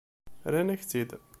Rran-ak-tt-id.